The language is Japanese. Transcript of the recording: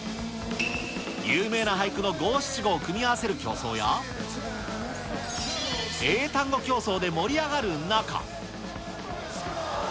有名な俳句の五七五を組み合わせる競争や、英単語競走で盛り上がる中。